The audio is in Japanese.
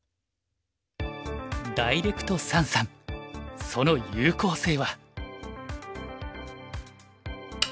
ダイレクト三々その有効性は？